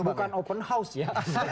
bukan open house ya